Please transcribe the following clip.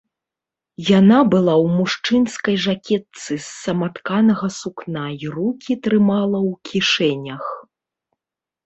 Яна была ў мужчынскай жакетцы з саматканага сукна і рукі трымала ў кішэнях.